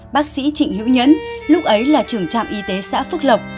bác sĩ trịnh hữu nhẫn lúc ấy là trưởng trạm y tế xã phước lộc